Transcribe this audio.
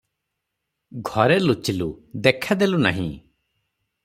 ଘରେ ଲୁଚିଲୁ, ଦେଖାଦେଲୁ ନାହିଁ ।